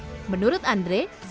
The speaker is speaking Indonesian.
you began sing but late back ya